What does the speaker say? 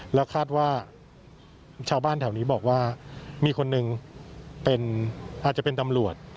แล้วคาดว่าชาวบ้านแถวนี้บอกว่ามีคนหนึ่งเป็นอาจจะเป็นตำรวจ